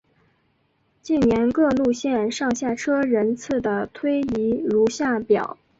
近年各路线上下车人次的推移如下表。